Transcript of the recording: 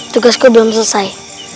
tugasku belum selesai